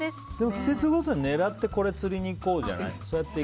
季節ごとに狙って釣りに行こうじゃない？